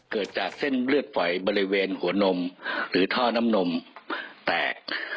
เกิดจากเส้นเลือดฝอยบริเวณหัวนมหรือท่อน้ำนมแตก